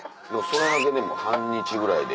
それだけでも半日ぐらいで。